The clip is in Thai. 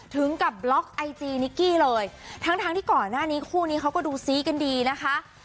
ถึงกับบล็อกไอจีนิกกี้เลยทั้งทั้งที่ก่อนหน้านี้คู่นี้เขาก็ดูซี้กันดีนะคะ